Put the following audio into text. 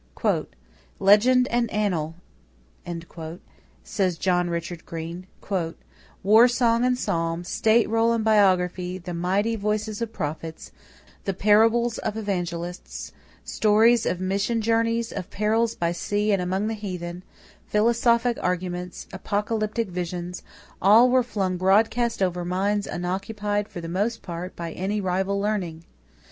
"Legend and annal," says John Richard Green, "war song and psalm, state roll and biography, the mighty voices of prophets, the parables of Evangelists, stories of mission journeys, of perils by sea and among the heathen, philosophic arguments, apocalyptic visions, all were flung broadcast over minds unoccupied for the most part by any rival learning....